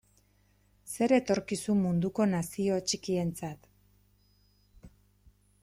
Zer etorkizun munduko nazio txikientzat?